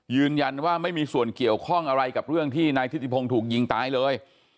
ยืนยันว่าไม่มีส่วนเกี่ยวข้องอะไรกับเรื่องที่นายทิติพงศ์ถูกยิงตายเลย